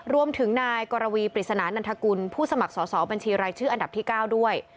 รวมถึงนายกรวีปริศนานันทกุลผู้สมัครสอบบัญชีรายชื่ออันดับที่๙ด้วย